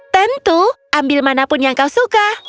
tentu ambil manapun yang kau suka